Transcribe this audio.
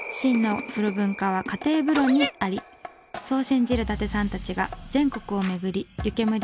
そう信じる伊達さんたちが全国を巡り湯けむり